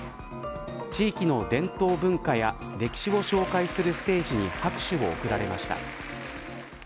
地域の伝統文化や歴史を紹介するステージに拍手を送られました。